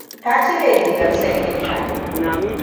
Ta cire rigar sanyin ta.